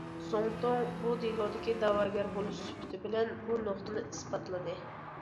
زۇڭتۇڭ بۇ دېلودىكى دەۋاگەر بولۇش سۈپىتى بىلەن بۇ نۇقتىنى ئىسپاتلىدى.